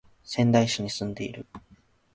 仙台市に住んでいる